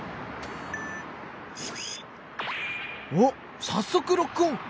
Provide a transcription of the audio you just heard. おっさっそくロックオン！